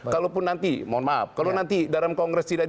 kalau nanti mohon maaf kalau nanti dalam kongres